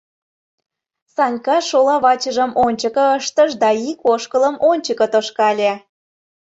Санька шола вачыжым ончыко ыштыш да ик ошкылым ончыко тошкале...